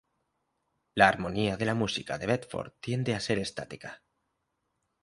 La armonía de la música de Bedford tiende a ser estática.